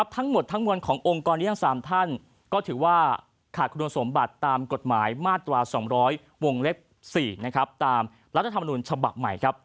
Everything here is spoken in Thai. ทั้งหมดทั้งมวลขององค์กรนี้ทั้ง๓ท่านก็ถือว่าขาดคุณสมบัติตามกฎหมายมาตรา๒๐๐วงเล็บ๔ตามรัฐธรรมนุนฉบับใหม่